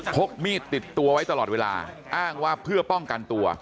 พกมีดติดตัวไว้ตลอดเวลาอ้างว่าเพื่อป้องกันตัว